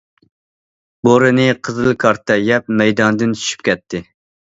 بورىنى قىزىل كارتا يەپ مەيداندىن چۈشۈپ كەتتى.